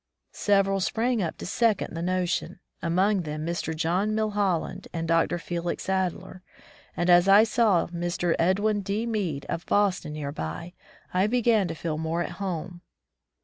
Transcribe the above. Several sprang up to second the motion, among them Mr. John Mil hoUand and Dr. Felix Adler, and as I saw Mr. Edwin D. Mead of Boston near by, I began to feel more at home.